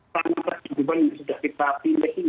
tanpa kehidupan yang sudah kita pilih